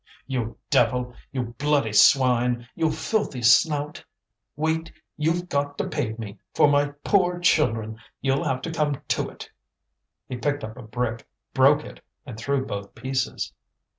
"You devil! you bloody swine! you filthy snout! Wait, you've got to pay me for my poor children; you'll have to come to it!" He picked up a brick, broke it, and threw both pieces.